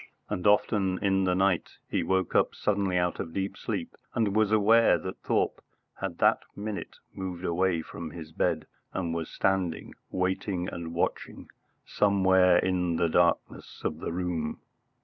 and often in the night he woke up suddenly out of deep sleep and was aware that Thorpe had that minute moved away from his bed and was standing waiting and watching somewhere in the darkness of the room.